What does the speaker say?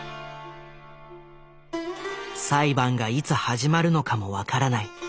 裁判がいつ始まるのかも分からない。